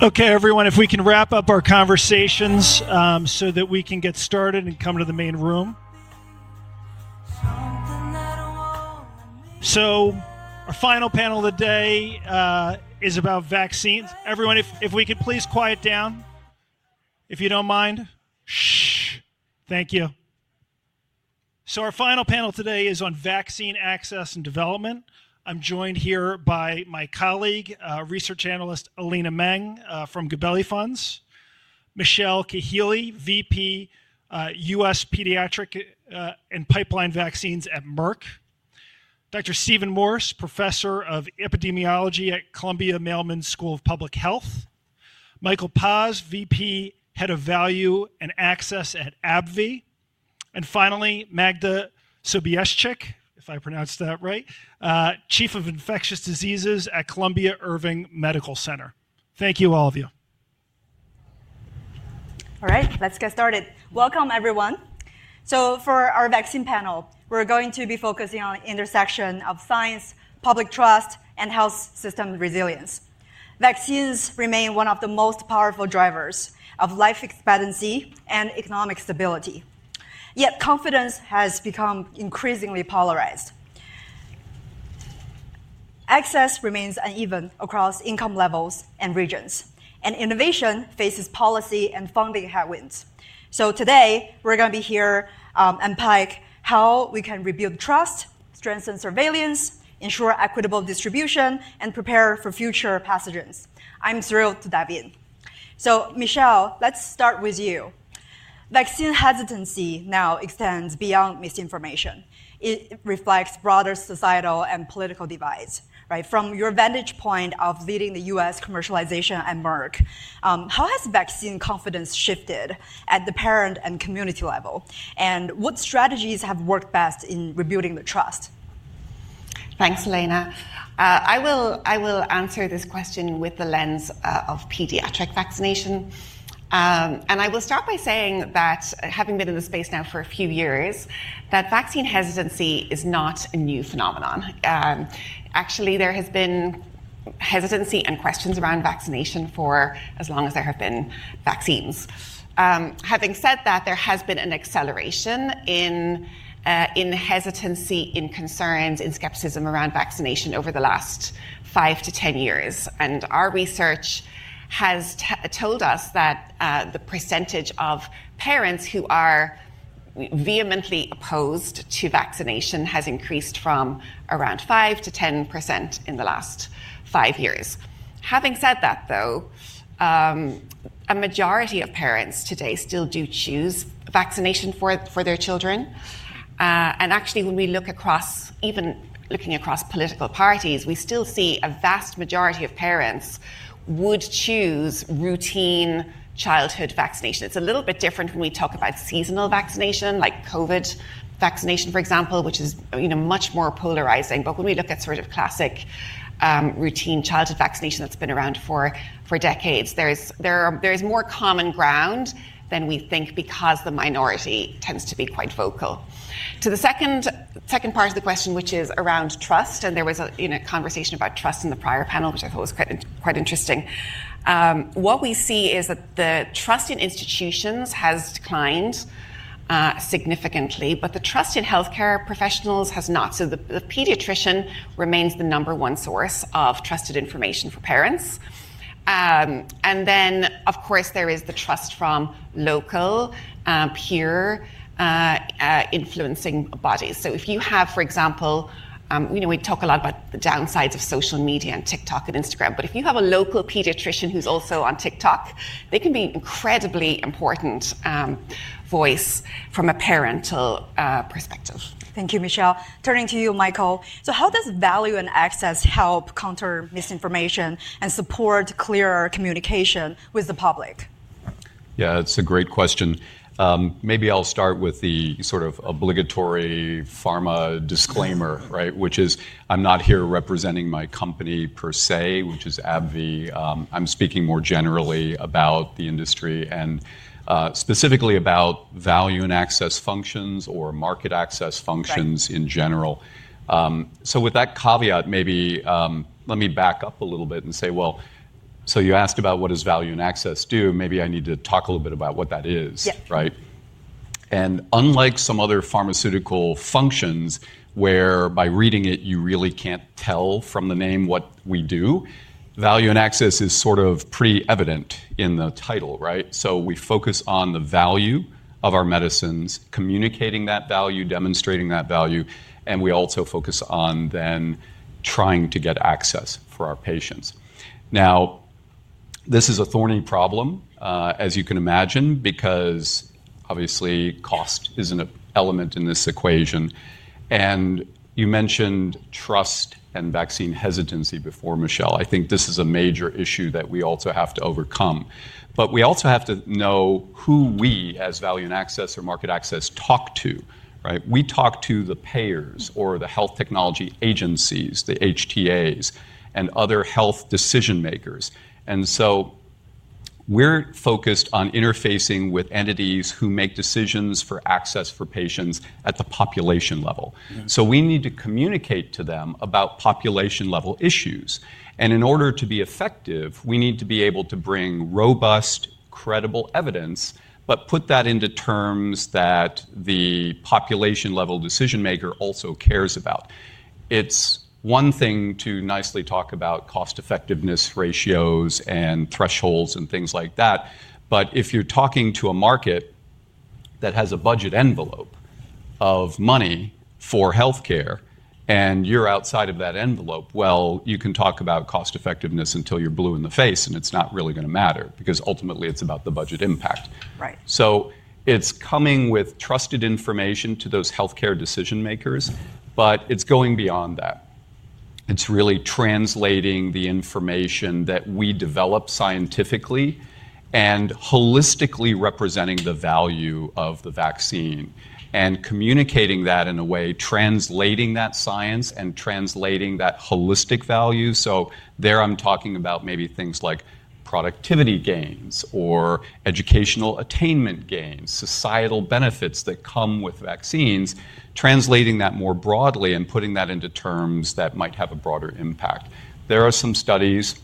Okay, everyone, if we can wrap up our conversations so that we can get started and come to the main room. Our final panel today is about vaccines. Everyone, if we could please quiet down, if you do not mind. Shh. Thank you. Our final panel today is on vaccine access and development. I'm joined here by my colleague, research analyst Elena Meng from Gabelli Funds, Michelle Cahill, VP, U.S. Pediatric and Pipeline Vaccines at Merck, Dr. Steven Morse, Professor of Epidemiology at Columbia Mailman School of Public Health, Michael Paz, VP, Head of Value and Access at AbbVie, and finally, Magda Sobieszczyk, if I pronounced that right, Chief of Infectious Diseases at Columbia Irving Medical Center. Thank you, all of you. All right, let's get started. Welcome, everyone. For our vaccine panel, we're going to be focusing on the intersection of science, public trust, and health system resilience. Vaccines remain one of the most powerful drivers of life expectancy and economic stability. Yet confidence has become increasingly polarized. Access remains uneven across income levels and regions, and innovation faces policy and funding headwinds. Today, we're going to be here to unpack how we can rebuild trust, strengthen surveillance, ensure equitable distribution, and prepare for future pathogens. I'm thrilled to dive in. Michelle, let's start with you. Vaccine hesitancy now extends beyond misinformation. It reflects broader societal and political divides. From your vantage point of leading the U.S. commercialization at Merck, how has vaccine confidence shifted at the parent and community level? What strategies have worked best in rebuilding the trust? Thanks, Elena. I will answer this question with the lens of pediatric vaccination. I will start by saying that, having been in the space now for a few years, vaccine hesitancy is not a new phenomenon. Actually, there has been hesitancy and questions around vaccination for as long as there have been vaccines. Having said that, there has been an acceleration in hesitancy, in concerns, in skepticism around vaccination over the last five to ten years. Our research has told us that the percentage of parents who are vehemently opposed to vaccination has increased from around 5% to 10% in the last five years. Having said that, though, a majority of parents today still do choose vaccination for their children. Actually, when we look across, even looking across political parties, we still see a vast majority of parents would choose routine childhood vaccination. It's a little bit different when we talk about seasonal vaccination, like COVID vaccination, for example, which is much more polarizing. When we look at sort of classic routine childhood vaccination that's been around for decades, there is more common ground than we think because the minority tends to be quite vocal. To the second part of the question, which is around trust, and there was a conversation about trust in the prior panel, which I thought was quite interesting. What we see is that the trust in institutions has declined significantly, but the trust in healthcare professionals has not. The pediatrician remains the number one source of trusted information for parents. Of course, there is the trust from local peer influencing bodies. If you have, for example, we talk a lot about the downsides of social media and TikTok and Instagram, but if you have a local pediatrician who's also on TikTok, they can be an incredibly important voice from a parental perspective. Thank you, Michelle. Turning to you, Michael. So how does value and access help counter misinformation and support clearer communication with the public? Yeah, that's a great question. Maybe I'll start with the sort of obligatory pharma disclaimer, which is I'm not here representing my company per se, which is AbbVie. I'm speaking more generally about the industry and specifically about value and access functions or market access functions in general. With that caveat, maybe let me back up a little bit and say, you asked about what does value and access do? Maybe I need to talk a little bit about what that is. Unlike some other pharmaceutical functions where by reading it, you really can't tell from the name what we do, value and access is sort of pretty evident in the title. We focus on the value of our medicines, communicating that value, demonstrating that value, and we also focus on then trying to get access for our patients. Now, this is a thorny problem, as you can imagine, because obviously cost is an element in this equation. You mentioned trust and vaccine hesitancy before, Michelle. I think this is a major issue that we also have to overcome. We also have to know who we as value and access or market access talk to. We talk to the payers or the health technology agencies, the HTAs, and other health decision makers. We are focused on interfacing with entities who make decisions for access for patients at the population level. We need to communicate to them about population-level issues. In order to be effective, we need to be able to bring robust, credible evidence, but put that into terms that the population-level decision maker also cares about. It is one thing to nicely talk about cost-effectiveness ratios and thresholds and things like that. If you're talking to a market that has a budget envelope of money for healthcare and you're outside of that envelope, you can talk about cost-effectiveness until you're blue in the face and it's not really going to matter because ultimately it's about the budget impact. It's coming with trusted information to those healthcare decision makers, but it's going beyond that. It's really translating the information that we develop scientifically and holistically representing the value of the vaccine and communicating that in a way, translating that science and translating that holistic value. There I'm talking about maybe things like productivity gains or educational attainment gains, societal benefits that come with vaccines, translating that more broadly and putting that into terms that might have a broader impact. There are some studies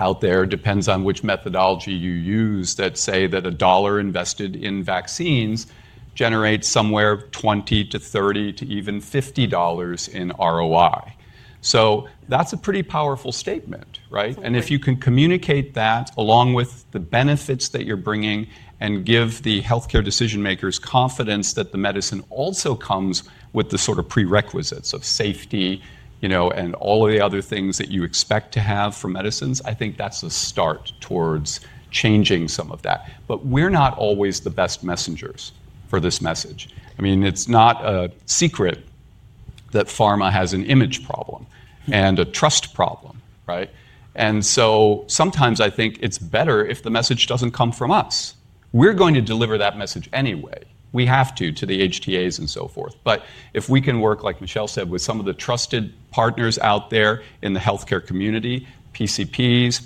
out there, depends on which methodology you use, that say that a dollar invested in vaccines generates somewhere $20-$30 to even $50 in ROI. That is a pretty powerful statement. If you can communicate that along with the benefits that you're bringing and give the healthcare decision makers confidence that the medicine also comes with the sort of prerequisites of safety and all of the other things that you expect to have for medicines, I think that's a start towards changing some of that. We're not always the best messengers for this message. I mean, it's not a secret that pharma has an image problem and a trust problem. Sometimes I think it's better if the message doesn't come from us. We're going to deliver that message anyway. We have to, to the HTAs and so forth. If we can work, like Michelle said, with some of the trusted partners out there in the healthcare community, PCPs,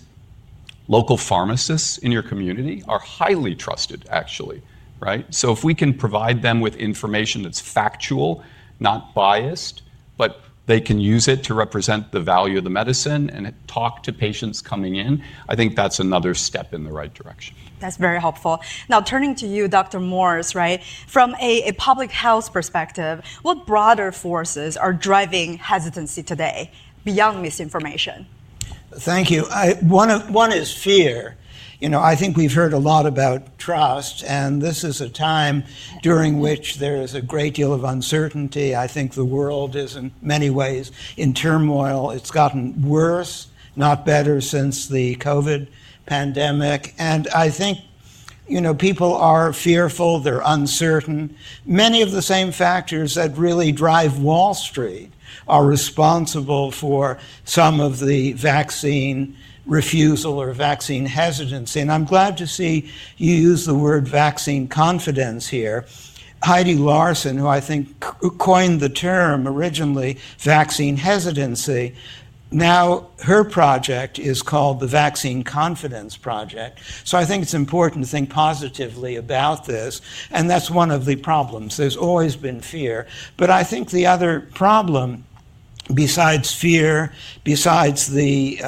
local pharmacists in your community are highly trusted, actually. If we can provide them with information that's factual, not biased, but they can use it to represent the value of the medicine and talk to patients coming in, I think that's another step in the right direction. That's very helpful. Now, turning to you, Dr. Morse, from a public health perspective, what broader forces are driving hesitancy today beyond misinformation? Thank you. One is fear. I think we've heard a lot about trust, and this is a time during which there is a great deal of uncertainty. I think the world is in many ways in turmoil. It's gotten worse, not better since the COVID pandemic. I think people are fearful. They're uncertain. Many of the same factors that really drive Wall Street are responsible for some of the vaccine refusal or vaccine hesitancy. I'm glad to see you use the word vaccine confidence here. Heidi Larson, who I think coined the term originally vaccine hesitancy, now her project is called the Vaccine Confidence Project. I think it's important to think positively about this. That's one of the problems. There's always been fear. I think the other problem besides fear, besides the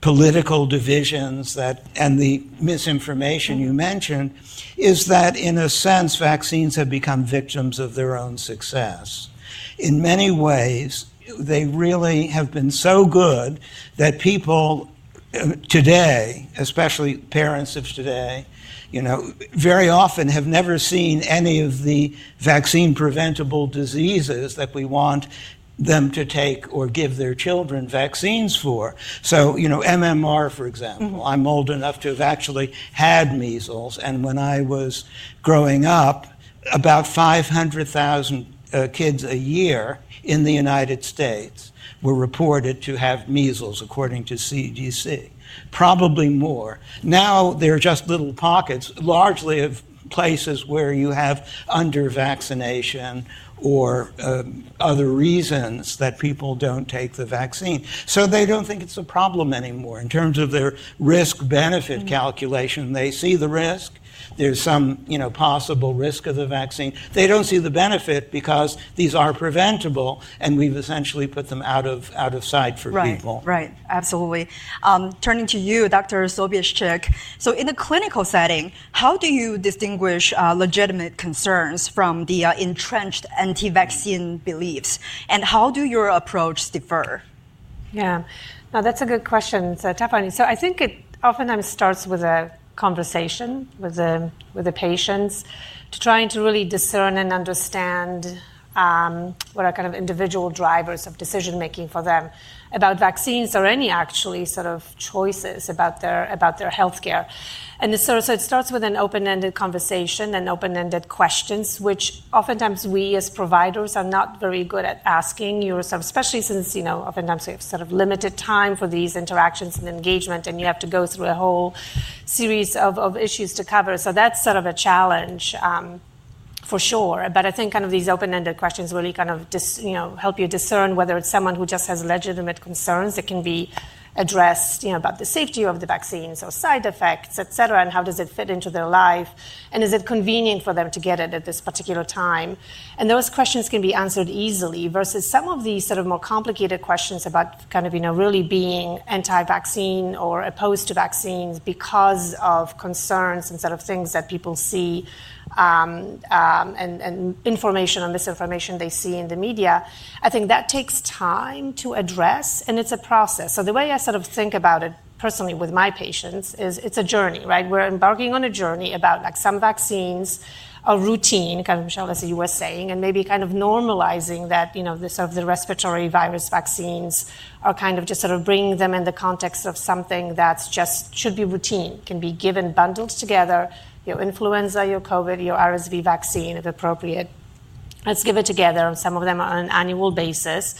political divisions and the misinformation you mentioned, is that in a sense, vaccines have become victims of their own success. In many ways, they really have been so good that people today, especially parents of today, very often have never seen any of the vaccine-preventable diseases that we want them to take or give their children vaccines for. So MMR, for example, I'm old enough to have actually had measles. And when I was growing up, about 500,000 kids a year in the United States were reported to have measles, according to CDC. Probably more. Now they're just little pockets, largely of places where you have under-vaccination or other reasons that people do not take the vaccine. They do not think it's a problem anymore in terms of their risk-benefit calculation. They see the risk. There's some possible risk of the vaccine. They don't see the benefit because these are preventable and we've essentially put them out of sight for people. Right. Absolutely. Turning to you, Dr. Sobieszczyk. In a clinical setting, how do you distinguish legitimate concerns from the entrenched anti-vaccine beliefs? How do your approach differ? Yeah. Now, that's a good question. I think it oftentimes starts with a conversation with the patients to try and to really discern and understand what are kind of individual drivers of decision-making for them about vaccines or any actually sort of choices about their healthcare. It starts with an open-ended conversation and open-ended questions, which oftentimes we as providers are not very good at asking yourself, especially since oftentimes we have sort of limited time for these interactions and engagement, and you have to go through a whole series of issues to cover. That's sort of a challenge for sure. I think kind of these open-ended questions really kind of help you discern whether it's someone who just has legitimate concerns that can be addressed about the safety of the vaccines or side effects, et cetera, and how does it fit into their life? Is it convenient for them to get it at this particular time? Those questions can be answered easily versus some of these sort of more complicated questions about kind of really being anti-vaccine or opposed to vaccines because of concerns and sort of things that people see and information on misinformation they see in the media. I think that takes time to address, and it's a process. The way I sort of think about it personally with my patients is it's a journey. We're embarking on a journey about some vaccines are routine, kind of Michelle, as you were saying, and maybe kind of normalizing that sort of the respiratory virus vaccines are kind of just sort of bringing them in the context of something that just should be routine, can be given bundled together, your influenza, your COVID, your RSV vaccine, if appropriate. Let's give it together. Some of them are on an annual basis.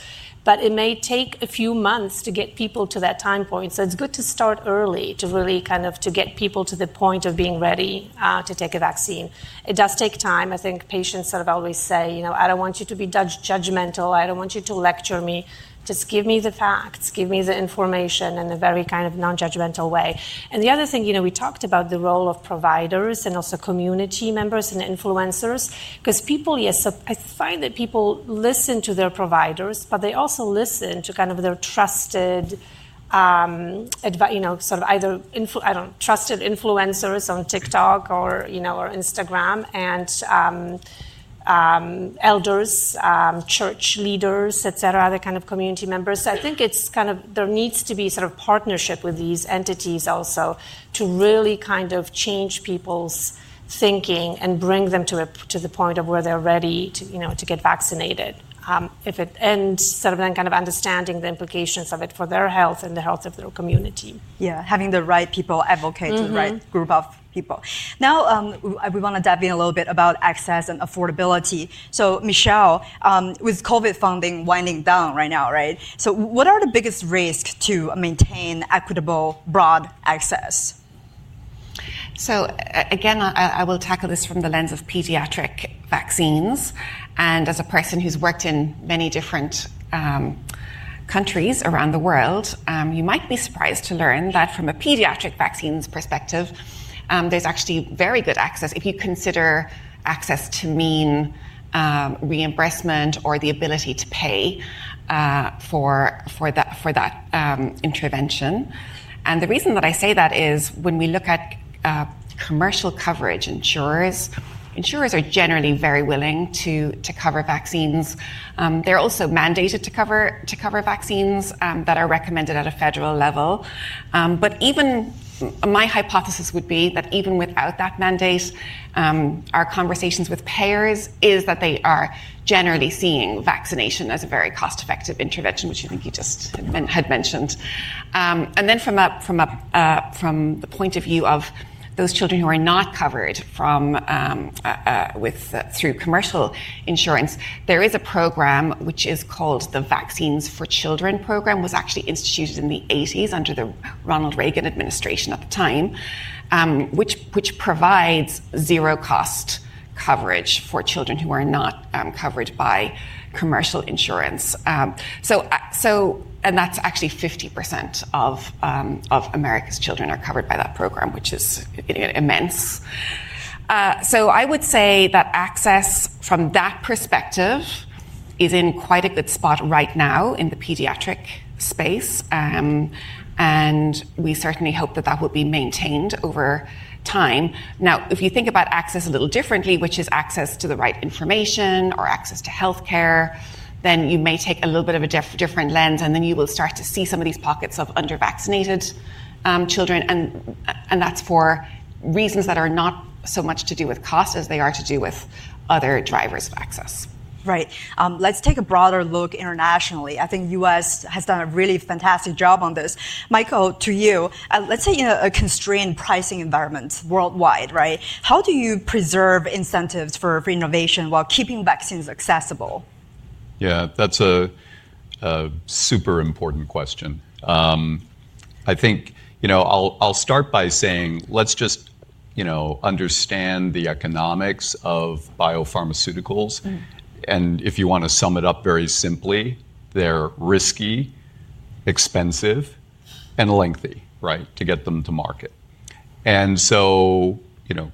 It may take a few months to get people to that time point. It is good to start early to really kind of get people to the point of being ready to take a vaccine. It does take time. I think patients sort of always say, "I don't want you to be judgmental. I don't want you to lecture me. Just give me the facts. Give me the information in a very kind of non-judgmental way." The other thing, we talked about the role of providers and also community members and influencers because people, yes, I find that people listen to their providers, but they also listen to kind of their trusted sort of either trusted influencers on TikTok or Instagram and elders, church leaders, et cetera, other kind of community members. I think it's kind of there needs to be sort of partnership with these entities also to really kind of change people's thinking and bring them to the point of where they're ready to get vaccinated and sort of then kind of understanding the implications of it for their health and the health of their community. Yeah, having the right people advocate to the right group of people. Now, we want to dive in a little bit about access and affordability. Michelle, with COVID funding winding down right now, what are the biggest risks to maintain equitable broad access? I will tackle this from the lens of pediatric vaccines. And as a person who's worked in many different countries around the world, you might be surprised to learn that from a pediatric vaccines perspective, there's actually very good access if you consider access to mean reimbursement or the ability to pay for that intervention. The reason that I say that is when we look at commercial coverage, insurers are generally very willing to cover vaccines. They're also mandated to cover vaccines that are recommended at a federal level. Even my hypothesis would be that even without that mandate, our conversations with payers is that they are generally seeing vaccination as a very cost-effective intervention, which I think you just had mentioned. From the point of view of those children who are not covered through commercial insurance, there is a program which is called the Vaccines for Children Program. It was actually instituted in the 1980s under the Ronald Reagan administration at the time, which provides zero-cost coverage for children who are not covered by commercial insurance. That is actually 50% of America's children are covered by that program, which is immense. I would say that access from that perspective is in quite a good spot right now in the pediatric space. We certainly hope that will be maintained over time. Now, if you think about access a little differently, which is access to the right information or access to healthcare, then you may take a little bit of a different lens, and then you will start to see some of these pockets of undervaccinated children. That's for reasons that are not so much to do with cost as they are to do with other drivers of access. Right. Let's take a broader look internationally. I think the U.S. has done a really fantastic job on this. Michael, to you, let's say in a constrained pricing environment worldwide, how do you preserve incentives for innovation while keeping vaccines accessible? Yeah, that's a super important question. I think I'll start by saying, let's just understand the economics of biopharmaceuticals. If you want to sum it up very simply, they're risky, expensive, and lengthy to get them to market.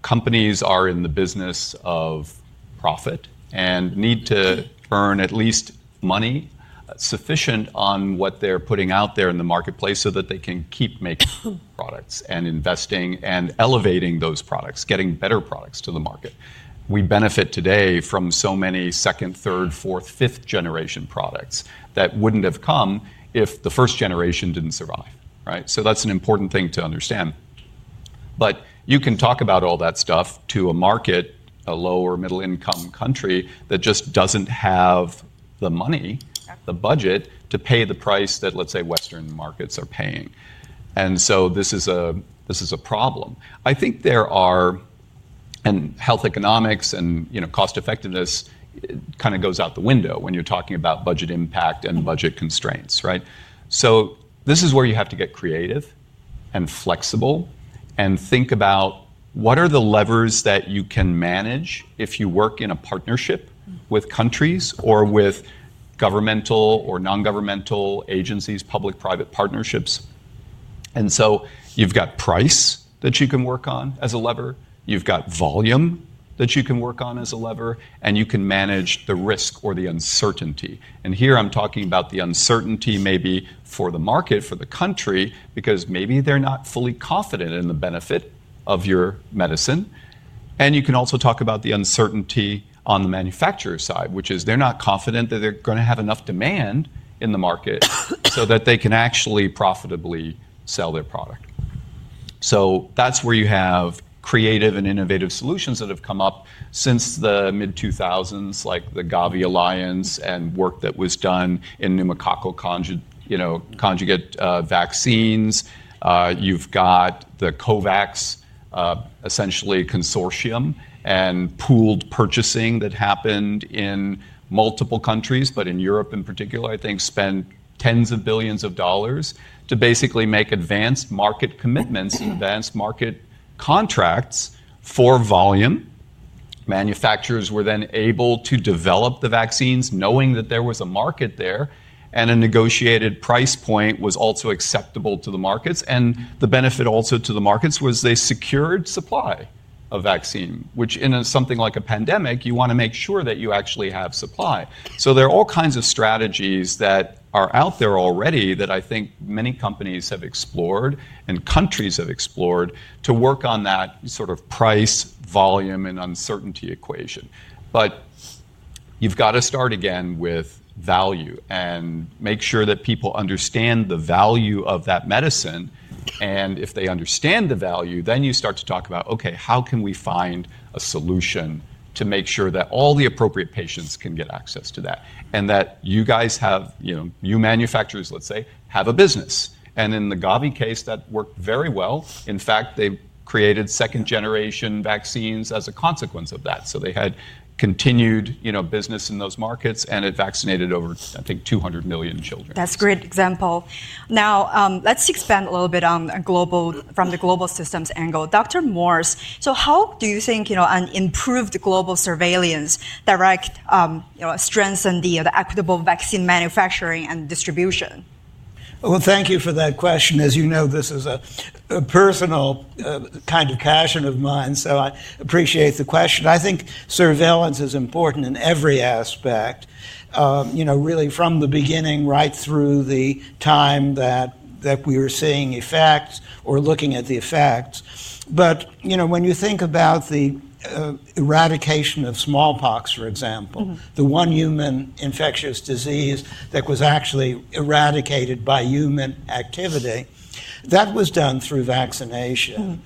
Companies are in the business of profit and need to earn at least money sufficient on what they're putting out there in the marketplace so that they can keep making products and investing and elevating those products, getting better products to the market. We benefit today from so many second, third, fourth, fifth-generation products that wouldn't have come if the first generation didn't survive. That's an important thing to understand. You can talk about all that stuff to a market, a lower middle-income country that just doesn't have the money, the budget to pay the price that, let's say, Western markets are paying. This is a problem. I think health economics and cost-effectiveness kind of goes out the window when you're talking about budget impact and budget constraints. This is where you have to get creative and flexible and think about what are the levers that you can manage if you work in a partnership with countries or with governmental or non-governmental agencies, public-private partnerships. You have price that you can work on as a lever. You have volume that you can work on as a lever, and you can manage the risk or the uncertainty. Here I'm talking about the uncertainty maybe for the market, for the country, because maybe they're not fully confident in the benefit of your medicine. You can also talk about the uncertainty on the manufacturer side, which is they're not confident that they're going to have enough demand in the market so that they can actually profitably sell their product. That's where you have creative and innovative solutions that have come up since the mid-2000s, like the Gavi Alliance and work that was done in pneumococcal conjugate vaccines. You've got COVAX, essentially consortium and pooled purchasing that happened in multiple countries, but in Europe in particular, I think spent tens of billions of dollars to basically make advanced market commitments and advanced market contracts for volume. Manufacturers were then able to develop the vaccines knowing that there was a market there, and a negotiated price point was also acceptable to the markets. The benefit also to the markets was they secured supply of vaccine, which in something like a pandemic, you want to make sure that you actually have supply. There are all kinds of strategies that are out there already that I think many companies have explored and countries have explored to work on that sort of price, volume, and uncertainty equation. You have to start again with value and make sure that people understand the value of that medicine. If they understand the value, then you start to talk about, okay, how can we find a solution to make sure that all the appropriate patients can get access to that and that you guys have, you manufacturers, let's say, have a business. In the Gavi case, that worked very well. In fact, they created second-generation vaccines as a consequence of that. They had continued business in those markets, and it vaccinated over, I think, 200 million children. That's a great example. Now, let's expand a little bit from the global systems angle. Dr. Morse, so how do you think an improved global surveillance direct strengthen the equitable vaccine manufacturing and distribution? Thank you for that question. As you know, this is a personal kind of passion of mine, so I appreciate the question. I think surveillance is important in every aspect, really from the beginning right through the time that we were seeing effects or looking at the effects. When you think about the eradication of smallpox, for example, the one human infectious disease that was actually eradicated by human activity, that was done through vaccination.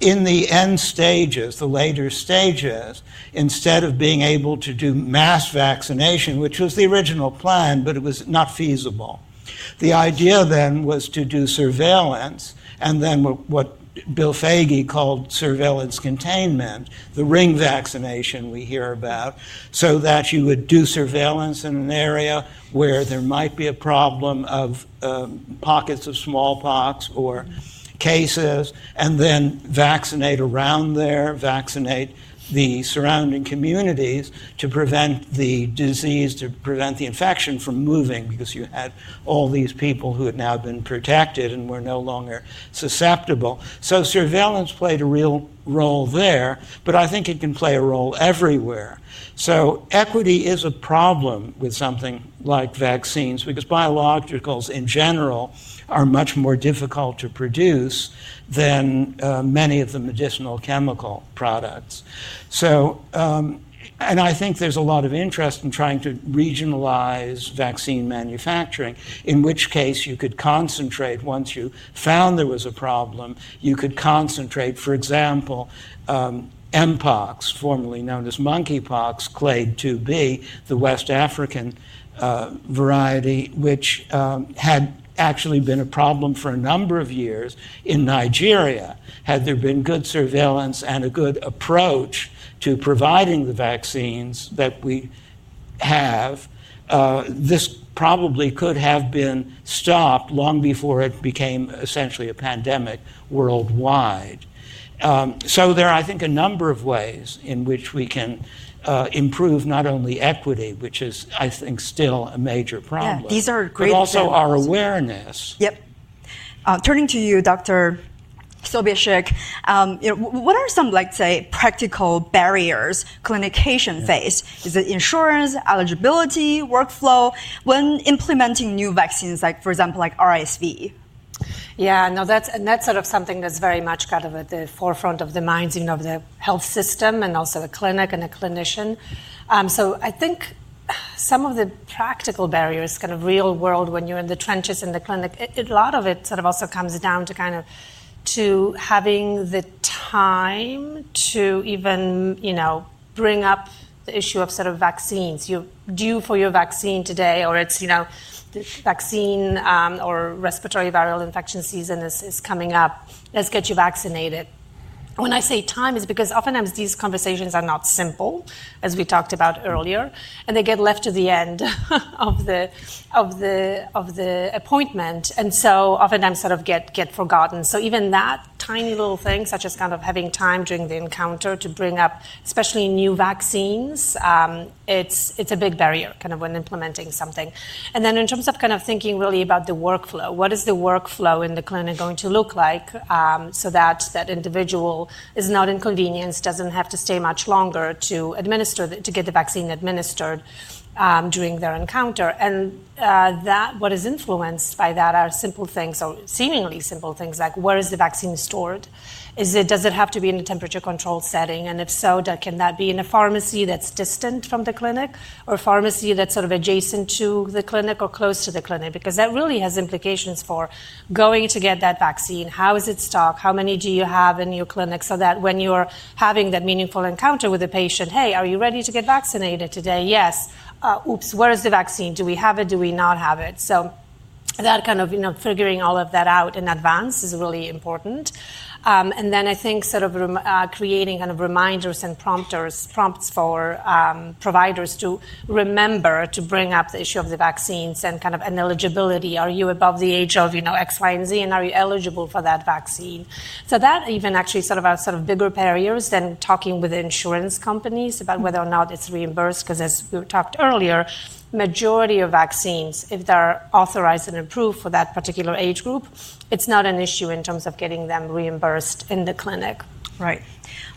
In the end stages, the later stages, instead of being able to do mass vaccination, which was the original plan, but it was not feasible, the idea then was to do surveillance and then what Bill Foege called surveillance containment, the ring vaccination we hear about, so that you would do surveillance in an area where there might be a problem of pockets of smallpox or cases and then vaccinate around there, vaccinate the surrounding communities to prevent the disease, to prevent the infection from moving because you had all these people who had now been protected and were no longer susceptible. Surveillance played a real role there, but I think it can play a role everywhere. Equity is a problem with something like vaccines because biologicals in general are much more difficult to produce than many of the medicinal chemical products. I think there's a lot of interest in trying to regionalize vaccine manufacturing, in which case you could concentrate once you found there was a problem. You could concentrate, for example, Mpox, formerly known as monkeypox, Clade 2B, the West African variety, which had actually been a problem for a number of years in Nigeria. Had there been good surveillance and a good approach to providing the vaccines that we have, this probably could have been stopped long before it became essentially a pandemic worldwide. There are, I think, a number of ways in which we can improve not only equity, which is, I think, still a major problem. Yeah, these are great points. Also our awareness. Yep. Turning to you, Dr. Sobieszczyk, what are some, let's say, practical barriers clinicians face? Is it insurance, eligibility, workflow when implementing new vaccines, for example, like RSV? Yeah, no, that's sort of something that's very much kind of at the forefront of the minds of the health system and also the clinic and the clinician. I think some of the practical barriers, kind of real world, when you're in the trenches in the clinic, a lot of it sort of also comes down to kind of having the time to even bring up the issue of sort of vaccines. You due for your vaccine today or it's vaccine or respiratory viral infection season is coming up. Let's get you vaccinated. When I say time, it's because oftentimes these conversations are not simple, as we talked about earlier, and they get left to the end of the appointment. Oftentimes sort of get forgotten. Even that tiny little thing, such as kind of having time during the encounter to bring up, especially new vaccines, it's a big barrier kind of when implementing something. In terms of kind of thinking really about the workflow, what is the workflow in the clinic going to look like so that that individual is not inconvenienced, doesn't have to stay much longer to get the vaccine administered during their encounter? What is influenced by that are simple things or seemingly simple things like where is the vaccine stored? Does it have to be in a temperature-controlled setting? If so, can that be in a pharmacy that's distant from the clinic or a pharmacy that's sort of adjacent to the clinic or close to the clinic? That really has implications for going to get that vaccine. How is it stocked? How many do you have in your clinic so that when you are having that meaningful encounter with the patient, hey, are you ready to get vaccinated today? Yes. Oops, where is the vaccine? Do we have it? Do we not have it? That kind of figuring all of that out in advance is really important. I think sort of creating kind of reminders and prompts for providers to remember to bring up the issue of the vaccines and kind of an eligibility. Are you above the age of X, Y, and Z, and are you eligible for that vaccine? That even actually sort of are sort of bigger barriers than talking with insurance companies about whether or not it's reimbursed because, as we talked earlier, majority of vaccines, if they're authorized and approved for that particular age group, it's not an issue in terms of getting them reimbursed in the clinic.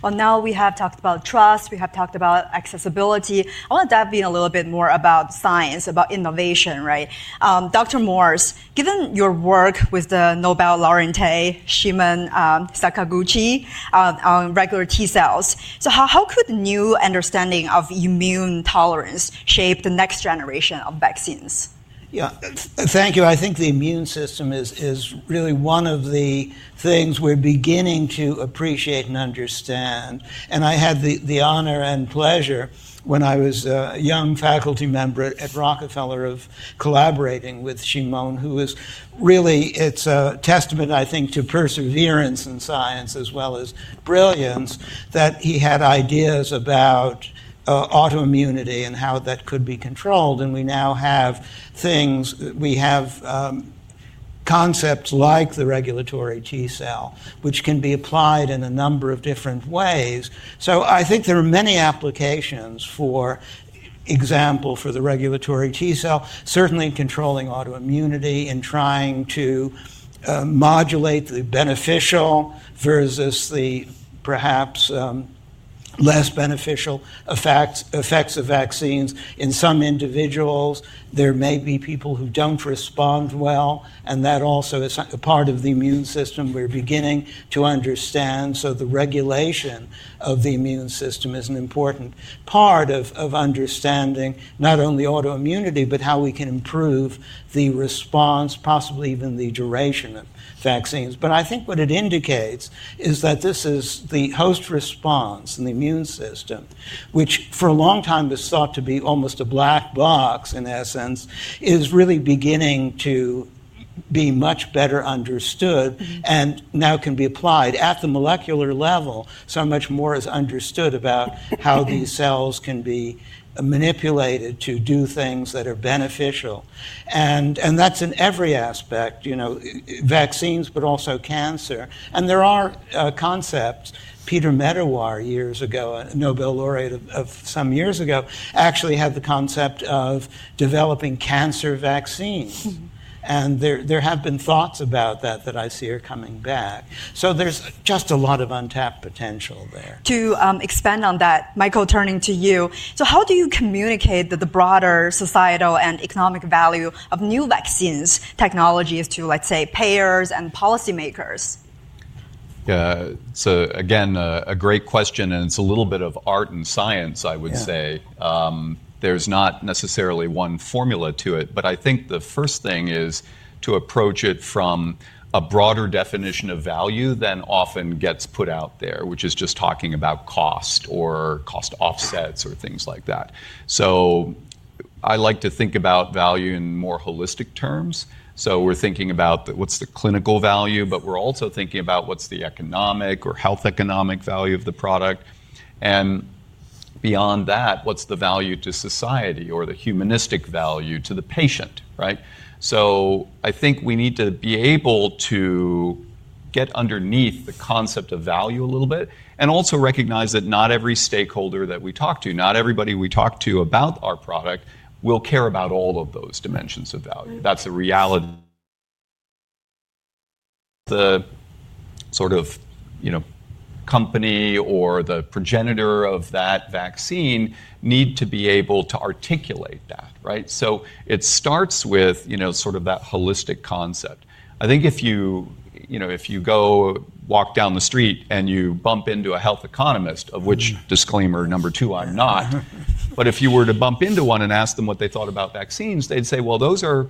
Right. Now we have talked about trust. We have talked about accessibility. I want to dive in a little bit more about science, about innovation. Dr. Morse, given your work with the Nobel laureate Shimon Sakaguchi on regulatory T cells, how could new understanding of immune tolerance shape the next generation of vaccines? Yeah, thank you. I think the immune system is really one of the things we're beginning to appreciate and understand. I had the honor and pleasure when I was a young faculty member at Rockefeller of collaborating with Shimon, who is really, it's a testament, I think, to perseverance in science as well as brilliance that he had ideas about autoimmunity and how that could be controlled. We now have things, we have concepts like the regulatory T cell, which can be applied in a number of different ways. I think there are many applications, for example, for the regulatory T cell, certainly controlling autoimmunity and trying to modulate the beneficial versus the perhaps less beneficial effects of vaccines in some individuals. There may be people who don't respond well. That also is a part of the immune system we're beginning to understand.​ The regulation of the immune system is an important part of understanding not only autoimmunity, but how we can improve the response, possibly even the duration of vaccines. I think what it indicates is that this is the host response in the immune system, which for a long time was thought to be almost a black box in essence, is really beginning to be much better understood and now can be applied at the molecular level. Much more is understood about how these cells can be manipulated to do things that are beneficial. That is in every aspect, vaccines, but also cancer. There are concepts. Peter Medawar, years ago, a Nobel laureate of some years ago, actually had the concept of developing cancer vaccines. There have been thoughts about that that I see are coming back. There is just a lot of untapped potential there. To expand on that, Michael, turning to you, so how do you communicate the broader societal and economic value of new vaccines technologies to, let's say, payers and policymakers? Yeah, so again, a great question, and it's a little bit of art and science, I would say. There's not necessarily one formula to it, but I think the first thing is to approach it from a broader definition of value than often gets put out there, which is just talking about cost or cost offsets or things like that. I like to think about value in more holistic terms. We're thinking about what's the clinical value, but we're also thinking about what's the economic or health economic value of the product. Beyond that, what's the value to society or the humanistic value to the patient, right? I think we need to be able to get underneath the concept of value a little bit and also recognize that not every stakeholder that we talk to, not everybody we talk to about our product will care about all of those dimensions of value. That's a reality. The sort of company or the progenitor of that vaccine need to be able to articulate that, right? It starts with sort of that holistic concept. I think if you go walk down the street and you bump into a health economist, of which disclaimer number two, I'm not, but if you were to bump into one and ask them what they thought about vaccines, they'd say, well, those are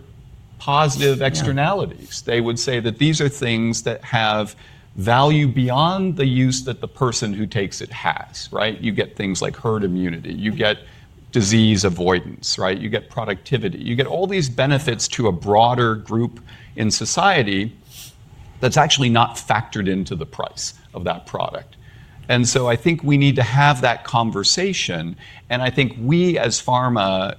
positive externalities. They would say that these are things that have value beyond the use that the person who takes it has, right? You get things like herd immunity. You get disease avoidance, right? You get productivity. You get all these benefits to a broader group in society that's actually not factored into the price of that product. I think we need to have that conversation. I think we as pharma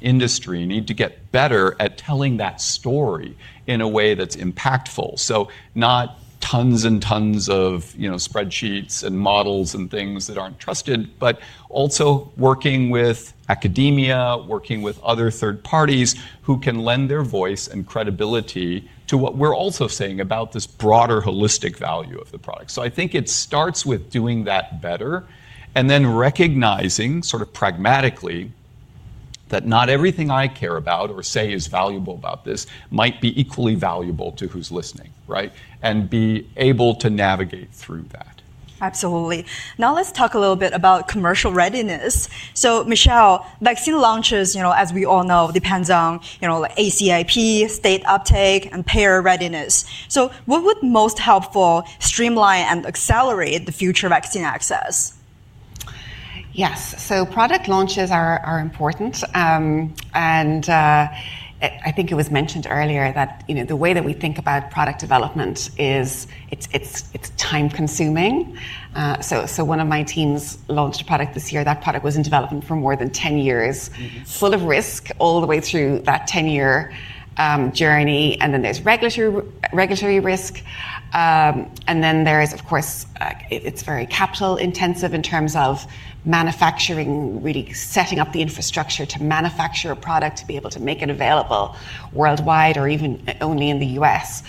industry need to get better at telling that story in a way that's impactful. Not tons and tons of spreadsheets and models and things that aren't trusted, but also working with academia, working with other third parties who can lend their voice and credibility to what we're also saying about this broader holistic value of the product. I think it starts with doing that better and then recognizing sort of pragmatically that not everything I care about or say is valuable about this might be equally valuable to who's listening, right? Be able to navigate through that. Absolutely. Now let's talk a little bit about commercial readiness. So Michelle, vaccine launches, as we all know, depends on ACIP, state uptake, and payer readiness. So what would most helpful streamline and accelerate the future vaccine access? Yes. Product launches are important. I think it was mentioned earlier that the way that we think about product development is it's time-consuming. One of my teams launched a product this year. That product was in development for more than 10 years, full of risk all the way through that 10-year journey. There is regulatory risk. There is, of course, it's very capital-intensive in terms of manufacturing, really setting up the infrastructure to manufacture a product to be able to make it available worldwide or even only in the U.S.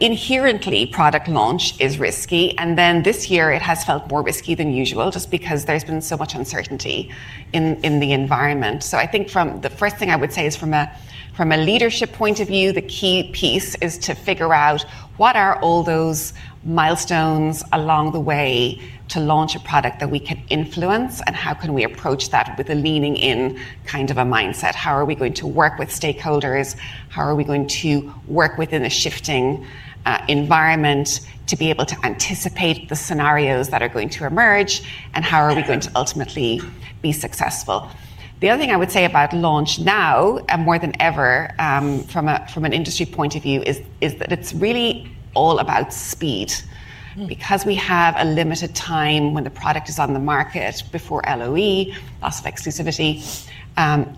Inherently, product launch is risky. This year it has felt more risky than usual just because there's been so much uncertainty in the environment. I think the first thing I would say is from a leadership point of view, the key piece is to figure out what are all those milestones along the way to launch a product that we can influence and how can we approach that with a leaning in kind of a mindset. How are we going to work with stakeholders? How are we going to work within a shifting environment to be able to anticipate the scenarios that are going to emerge? How are we going to ultimately be successful? The other thing I would say about launch now and more than ever from an industry point of view is that it's really all about speed. Because we have a limited time when the product is on the market before LOE, loss of exclusivity,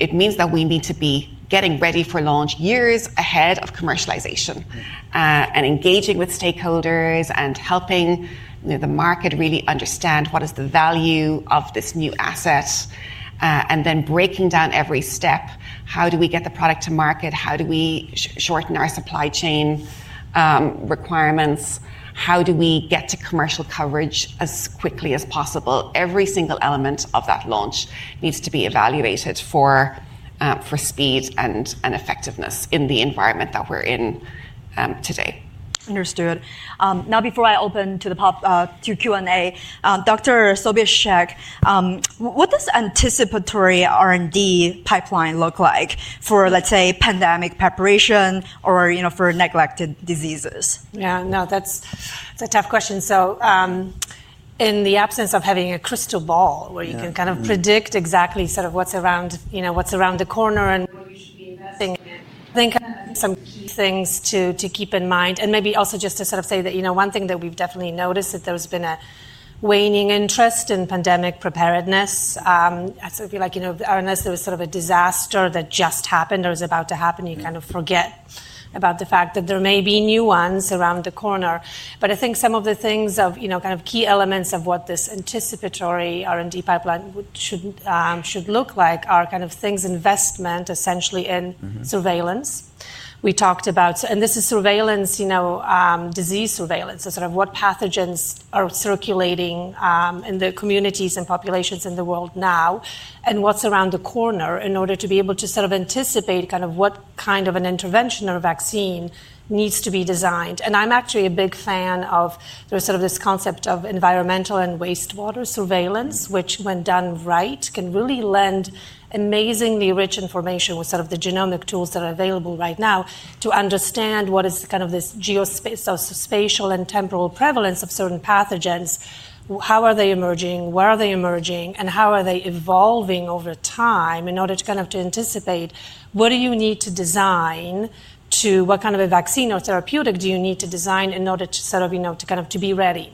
it means that we need to be getting ready for launch years ahead of commercialization and engaging with stakeholders and helping the market really understand what is the value of this new asset and then breaking down every step. How do we get the product to market? How do we shorten our supply chain requirements? How do we get to commercial coverage as quickly as possible? Every single element of that launch needs to be evaluated for speed and effectiveness in the environment that we're in today. Understood. Now, before I open to the Q&A, Dr. Sobieszczyk, what does anticipatory R&D pipeline look like for, let's say, pandemic preparation or for neglected diseases? Yeah, no, that's a tough question. In the absence of having a crystal ball where you can kind of predict exactly sort of what's around the corner and where you should be investing, I think some key things to keep in mind. Maybe also just to sort of say that one thing that we've definitely noticed is there's been a waning interest in pandemic preparedness. I feel like unless there was sort of a disaster that just happened or is about to happen, you kind of forget about the fact that there may be new ones around the corner. I think some of the things of kind of key elements of what this anticipatory R&D pipeline should look like are kind of things investment essentially in surveillance. We talked about, and this is surveillance, disease surveillance, so sort of what pathogens are circulating in the communities and populations in the world now and what's around the corner in order to be able to sort of anticipate kind of what kind of an intervention or vaccine needs to be designed. I'm actually a big fan of sort of this concept of environmental and wastewater surveillance, which when done right can really lend amazingly rich information with sort of the genomic tools that are available right now to understand what is kind of this geospatial and temporal prevalence of certain pathogens. How are they emerging? Where are they emerging? How are they evolving over time in order to kind of anticipate what do you need to design, to what kind of a vaccine or therapeutic do you need to design in order to sort of kind of be ready?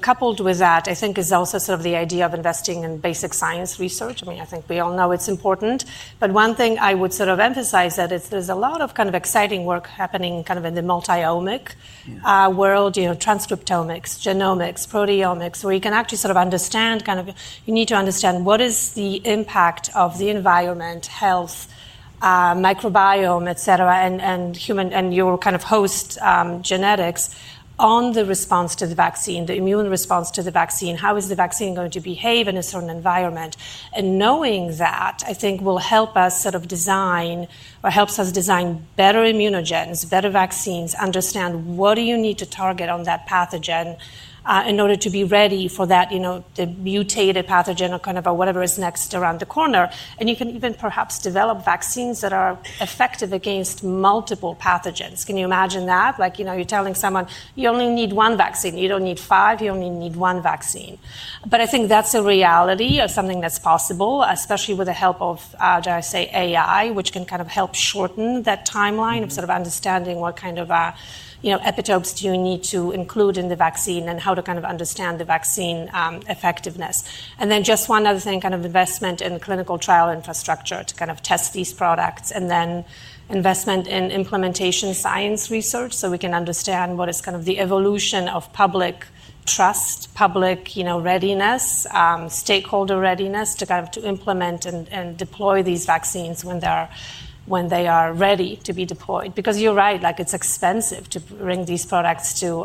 Coupled with that, I think is also sort of the idea of investing in basic science research. I mean, I think we all know it's important. One thing I would sort of emphasize is that there's a lot of kind of exciting work happening in the multi-omic world, transcriptomics, genomics, proteomics, where you can actually sort of understand, you need to understand what is the impact of the environment, health, microbiome, et cetera, and human and your kind of host genetics on the response to the vaccine, the immune response to the vaccine. How is the vaccine going to behave in a certain environment? Knowing that, I think, will help us sort of design or helps us design better immunogens, better vaccines, understand what do you need to target on that pathogen in order to be ready for that mutated pathogen or kind of whatever is next around the corner. You can even perhaps develop vaccines that are effective against multiple pathogens. Can you imagine that? Like you're telling someone, you only need one vaccine. You don't need five. You only need one vaccine. I think that's a reality of something that's possible, especially with the help of, dare I say, AI, which can kind of help shorten that timeline of sort of understanding what kind of epitopes do you need to include in the vaccine and how to kind of understand the vaccine effectiveness. Just one other thing, kind of investment in clinical trial infrastructure to kind of test these products and then investment in implementation science research so we can understand what is kind of the evolution of public trust, public readiness, stakeholder readiness to kind of implement and deploy these vaccines when they are ready to be deployed. Because you're right, it's expensive to bring these products to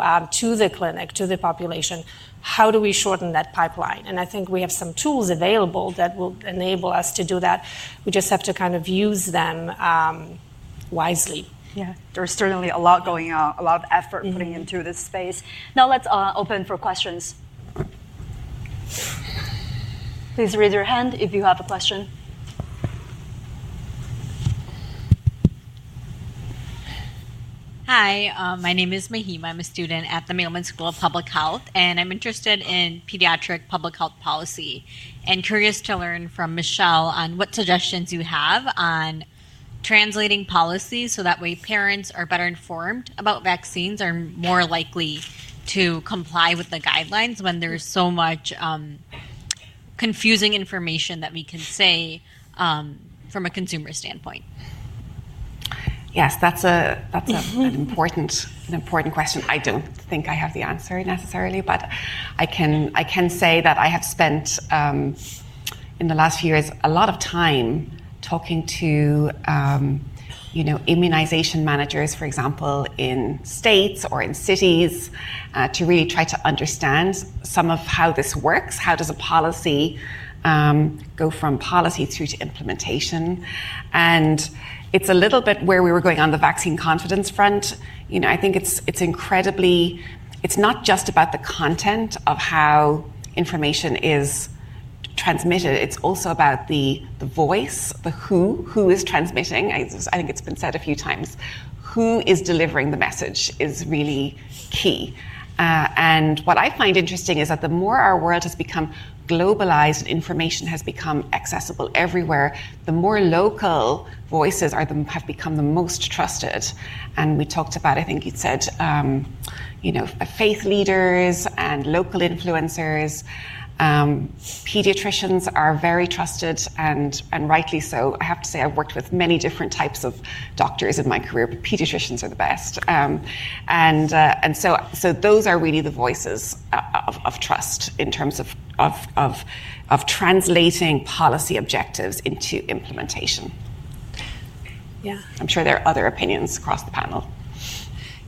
the clinic, to the population. How do we shorten that pipeline? I think we have some tools available that will enable us to do that. We just have to kind of use them wisely. Yeah. There's certainly a lot going on, a lot of effort going into this space. Now let's open for questions. Please raise your hand if you have a question. Hi. My name is Mahim. I'm a student at the Mailman School of Public Health, and I'm interested in pediatric public health policy and curious to learn from Michelle on what suggestions you have on translating policies so that way parents are better informed about vaccines and are more likely to comply with the guidelines when there's so much confusing information that we can say from a consumer standpoint. Yes, that's an important question. I don't think I have the answer necessarily, but I can say that I have spent in the last few years a lot of time talking to immunization managers, for example, in states or in cities to really try to understand some of how this works. How does a policy go from policy through to implementation? It's a little bit where we were going on the vaccine confidence front. I think it's incredibly, it's not just about the content of how information is transmitted. It's also about the voice, the who, who is transmitting. I think it's been said a few times. Who is delivering the message is really key. What I find interesting is that the more our world has become globalized and information has become accessible everywhere, the more local voices have become the most trusted. We talked about, I think you'd said faith leaders and local influencers. Pediatricians are very trusted and rightly so. I have to say I've worked with many different types of doctors in my career, but pediatricians are the best. Those are really the voices of trust in terms of translating policy objectives into implementation. Yeah. I'm sure there are other opinions across the panel.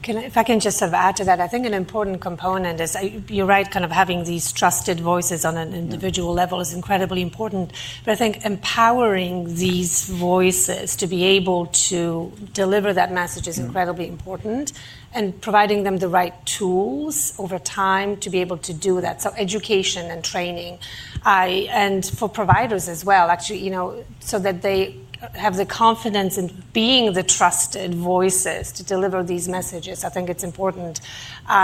If I can just add to that, I think an important component is you're right, kind of having these trusted voices on an individual level is incredibly important. I think empowering these voices to be able to deliver that message is incredibly important and providing them the right tools over time to be able to do that. Education and training and for providers as well, actually, so that they have the confidence in being the trusted voices to deliver these messages, I think it's important.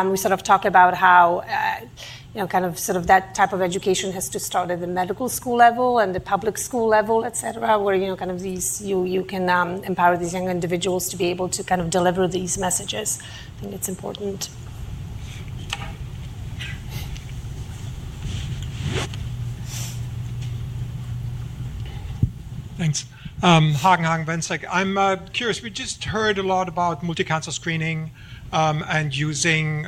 We sort of talk about how kind of sort of that type of education has to start at the medical school level and the public school level, et cetera, where kind of you can empower these young individuals to be able to kind of deliver these messages. I think it's important. Thanks. Hagen Wentzweg, I'm curious. We just heard a lot about multicancer screening and using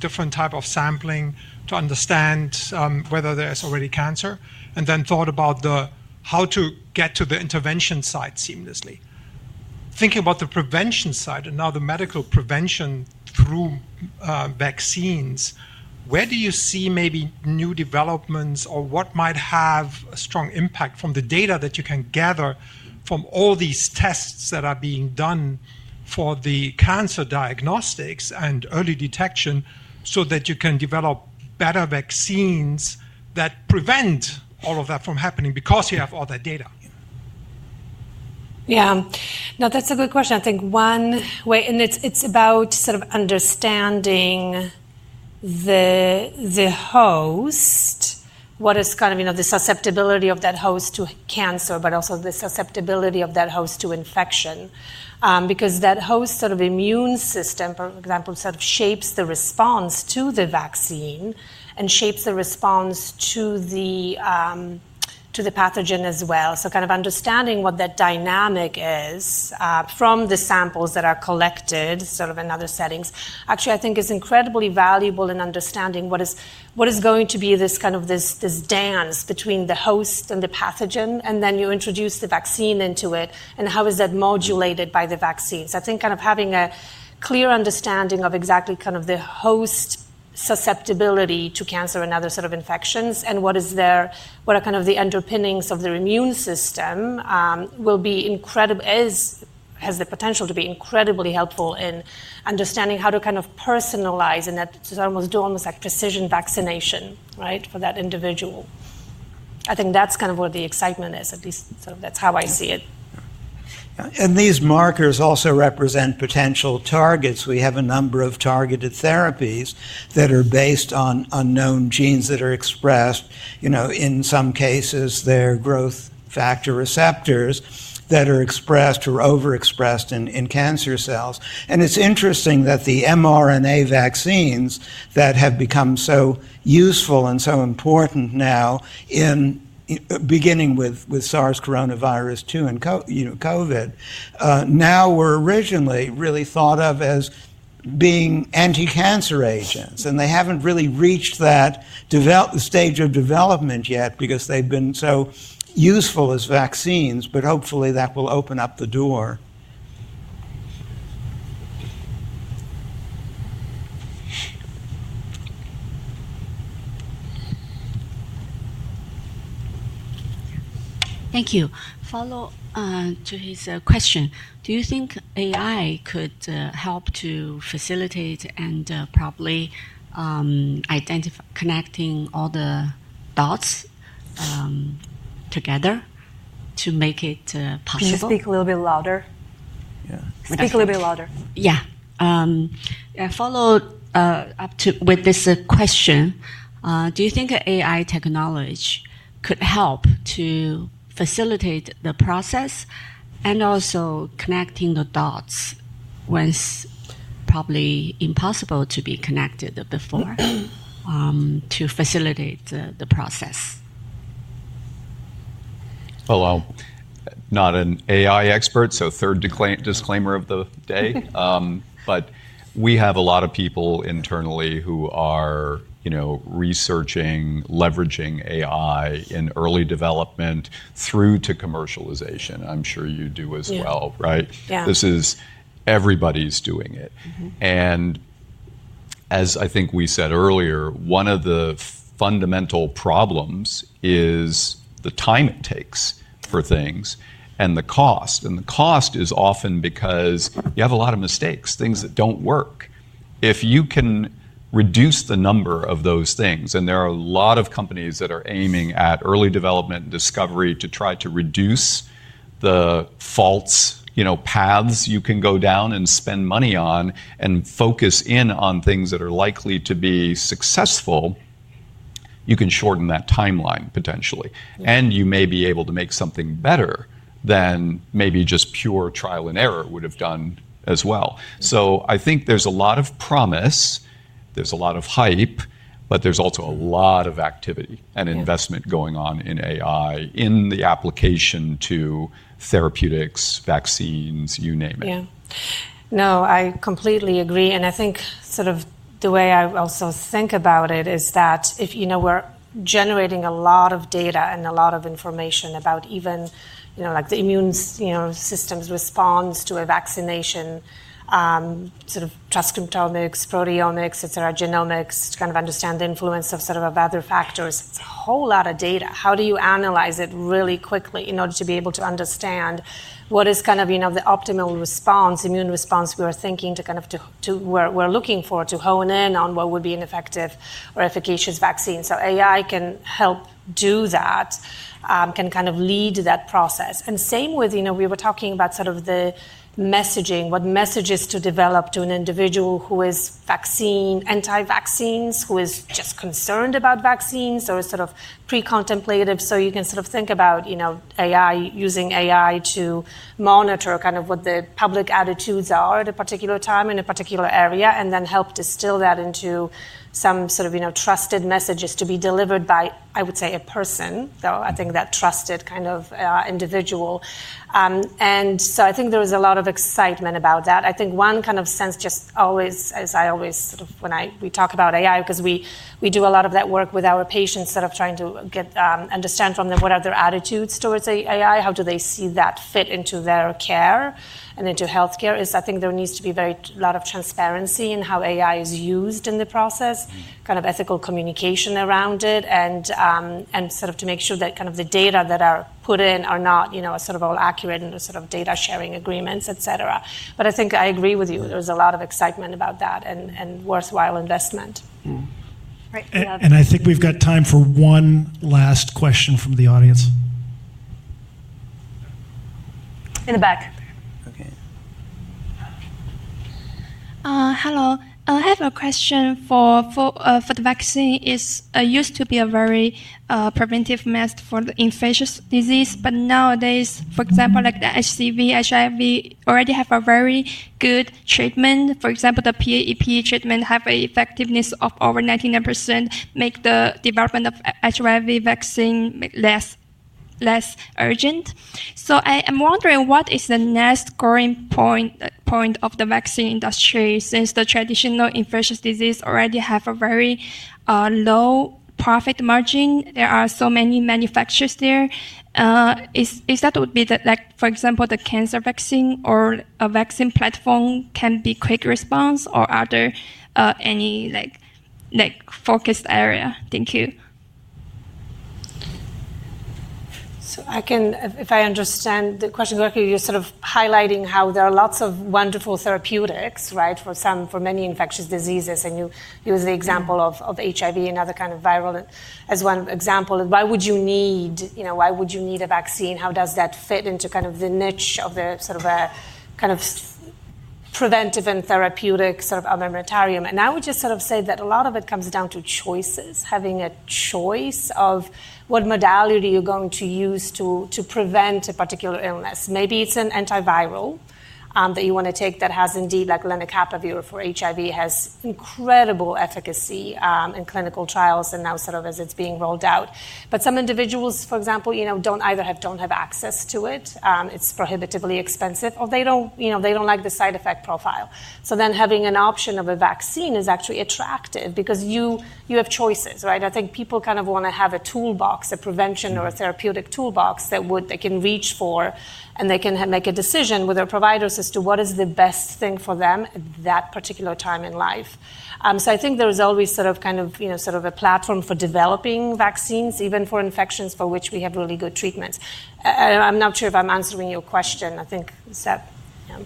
different types of sampling to understand whether there is already cancer and then thought about how to get to the intervention site seamlessly. Thinking about the prevention side and now the medical prevention through vaccines, where do you see maybe new developments or what might have a strong impact from the data that you can gather from all these tests that are being done for the cancer diagnostics and early detection so that you can develop better vaccines that prevent all of that from happening because you have all that data? Yeah. No, that's a good question. I think one way, and it's about sort of understanding the host, what is kind of the susceptibility of that host to cancer, but also the susceptibility of that host to infection. Because that host sort of immune system, for example, sort of shapes the response to the vaccine and shapes the response to the pathogen as well. Kind of understanding what that dynamic is from the samples that are collected sort of in other settings, actually, I think is incredibly valuable in understanding what is going to be this kind of this dance between the host and the pathogen, and then you introduce the vaccine into it, and how is that modulated by the vaccine. I think kind of having a clear understanding of exactly kind of the host susceptibility to cancer and other sort of infections and what are kind of the underpinnings of their immune system will be incredible, has the potential to be incredibly helpful in understanding how to kind of personalize and almost do almost like precision vaccination for that individual. I think that's kind of where the excitement is. At least that's how I see it. These markers also represent potential targets. We have a number of targeted therapies that are based on unknown genes that are expressed. In some cases, they're growth factor receptors that are expressed or overexpressed in cancer cells. It's interesting that the mRNA vaccines that have become so useful and so important now, beginning with SARS Coronavirus 2 and COVID, now were originally really thought of as being anti-cancer agents. They haven't really reached that stage of development yet because they've been so useful as vaccines, but hopefully that will open up the door. Thank you. Following to his question, do you think AI could help to facilitate and probably connecting all the dots together to make it possible? Can you speak a little bit louder? Yeah. Speak a little bit louder. Yeah. Follow up with this question. Do you think AI technology could help to facilitate the process and also connecting the dots when it's probably impossible to be connected before to facilitate the process? Hello. Not an AI expert, so third disclaimer of the day. We have a lot of people internally who are researching, leveraging AI in early development through to commercialization. I'm sure you do as well, right? This is everybody's doing it. As I think we said earlier, one of the fundamental problems is the time it takes for things and the cost. The cost is often because you have a lot of mistakes, things that do not work. If you can reduce the number of those things, and there are a lot of companies that are aiming at early development and discovery to try to reduce the false paths you can go down and spend money on and focus in on things that are likely to be successful, you can shorten that timeline potentially. You may be able to make something better than maybe just pure trial and error would have done as well. I think there is a lot of promise. There is a lot of hype, but there is also a lot of activity and investment going on in AI, in the application to therapeutics, vaccines, you name it. Yeah. No, I completely agree. I think sort of the way I also think about it is that we're generating a lot of data and a lot of information about even the immune system's response to a vaccination, sort of transcriptomics, proteomics, et cetera, genomics, to kind of understand the influence of sort of other factors. It's a whole lot of data. How do you analyze it really quickly in order to be able to understand what is kind of the optimal response, immune response we are thinking to kind of we're looking for to hone in on what would be an effective or efficacious vaccine? AI can help do that, can kind of lead that process. Same with we were talking about sort of the messaging, what messages to develop to an individual who is vaccine, anti-vaccines, who is just concerned about vaccines or sort of pre-contemplative. You can sort of think about using AI to monitor kind of what the public attitudes are at a particular time in a particular area and then help distill that into some sort of trusted messages to be delivered by, I would say, a person, though I think that trusted kind of individual. I think there is a lot of excitement about that. I think one kind of sense just always, as I always sort of when we talk about AI, because we do a lot of that work with our patients sort of trying to understand from them what are their attitudes towards AI, how do they see that fit into their care and into healthcare, is I think there needs to be a lot of transparency in how AI is used in the process, kind of ethical communication around it, and sort of to make sure that kind of the data that are put in are not all accurate and sort of data sharing agreements, et cetera. I think I agree with you. There's a lot of excitement about that and worthwhile investment. I think we've got time for one last question from the audience. In the back. Okay. Hello. I have a question for the vaccine. It used to be a very preventive method for infectious disease, but nowadays, for example, like the HCV, HIV, already have a very good treatment. For example, the PEP treatment have an effectiveness of over 99%, make the development of HIV vaccine less urgent. I am wondering what is the next growing point of the vaccine industry since the traditional infectious disease already have a very low profit margin? There are so many manufacturers there. Is that would be like, for example, the cancer vaccine or a vaccine platform can be quick response or are there any focused area? Thank you. I can, if I understand the question correctly, you're sort of highlighting how there are lots of wonderful therapeutics for many infectious diseases. You use the example of HIV and other kind of viral as one example. Why would you need a vaccine? How does that fit into kind of the niche of the sort of kind of preventive and therapeutic sort of armamentarium? I would just sort of say that a lot of it comes down to choices, having a choice of what modality you're going to use to prevent a particular illness. Maybe it's an antiviral that you want to take that has indeed like lenacapavir for HIV has incredible efficacy in clinical trials and now sort of as it's being rolled out. Some individuals, for example, don't either have access to it. It's prohibitively expensive or they don't like the side effect profile. Then having an option of a vaccine is actually attractive because you have choices. I think people kind of want to have a toolbox, a prevention or a therapeutic toolbox that they can reach for and they can make a decision with their providers as to what is the best thing for them at that particular time in life. I think there is always sort of kind of sort of a platform for developing vaccines, even for infections for which we have really good treatments. I'm not sure if I'm answering your question. I think that, yeah.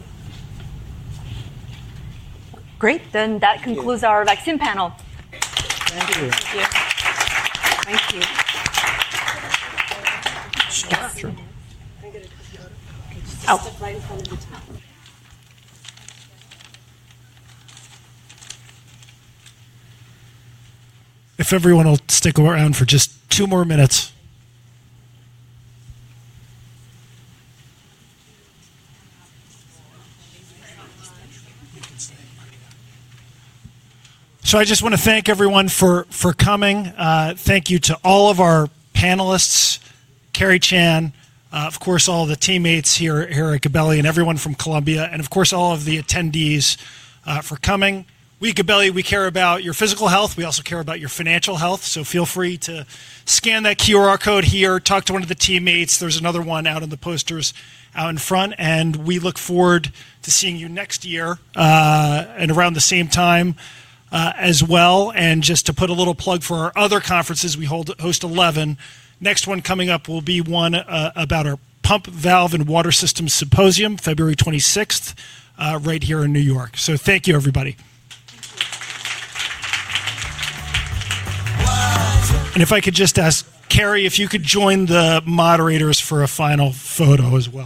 Great. Then that concludes our vaccine panel. Thank you. Thank you. Thank you. If everyone will stick around for just two more minutes. I just want to thank everyone for coming. Thank you to all of our panelists, Kerry Chan, of course, all the teammates here, Eric Gabelli, and everyone from Columbia, and of course, all of the attendees for coming. We at Gabelli, we care about your physical health. We also care about your financial health. Feel free to scan that QR code here, talk to one of the teammates. There is another one out on the posters out in front. We look forward to seeing you next year and around the same time as well. Just to put a little plug for our other conferences, we host 11. The next one coming up will be one about our pump valve and water system symposium, February 26th, right here in New York. Thank you, everybody. If I could just ask Kerry if you could join the moderators for a final photo as well.